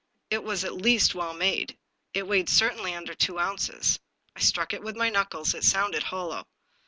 It was at least well made. It weighed certainly under two ounces. I struck it with my knuckles ; it sounded hollow.